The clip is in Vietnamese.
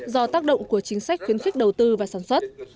do tác động của chính sách khuyến khích đầu tư và sản xuất